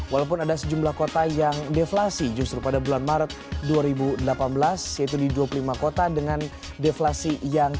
walaupun ada sejumlah kota yang deflasi justru pada bulan maret dua ribu delapan belas yaitu di dua puluh lima kota dengan deflasi yang